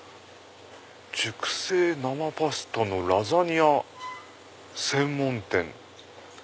「熟成生パスタのラザニア専門店」。